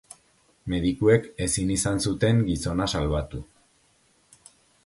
Medikuek ezin izan zuten gizona salbatu.